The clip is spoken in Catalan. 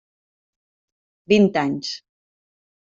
Vint anys.